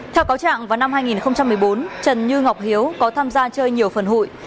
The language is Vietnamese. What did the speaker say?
theo cáo trạng vào năm hai nghìn một mươi bốn trần như ngọc hiếu có tham gia chơi nhiều phần hụi